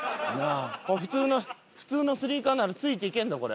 これ普通の普通のスニーカーならついていけんでこれ。